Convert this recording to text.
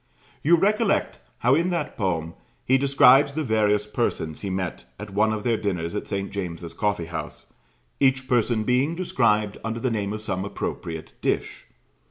You recollect how in that poem he describes the various persons who met at one of their dinners at St. James's Coffee house, each person being described under the name of some appropriate dish.